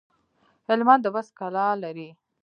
هلمند د بست کلا لري